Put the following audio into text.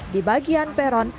di bagian peron